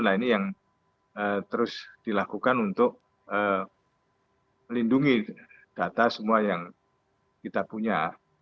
nah ini yang terus dilakukan untuk melindungi data semua yang kita punya